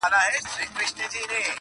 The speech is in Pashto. o خېښي په خوښي، سودا په رضا!